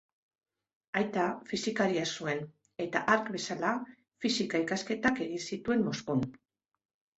Aita fisikaria zuen eta, hark bezala, fisika-ikasketak egin zituen Moskun.